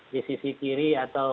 di sisi kiri atau